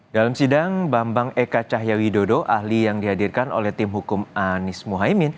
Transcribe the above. dalam sidang bambang eka cahya widodo ahli yang dihadirkan oleh tim hukum anies mohaimin